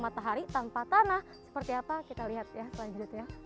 matahari tanpa tanah seperti apa kita lihat ya selanjutnya